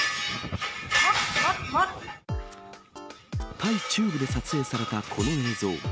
タイ中部で撮影されたこの映像。